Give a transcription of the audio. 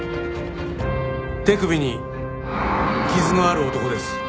手首に傷のある男です。